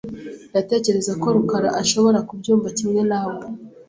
Ndatekereza ko rukara ashobora kubyumva kimwe nawe .